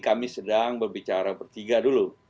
kami sedang berbicara bertiga dulu